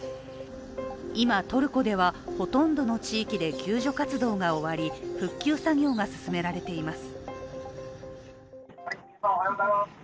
今、トルコではほとんどの地域で救助活動が終わり復旧作業が進められています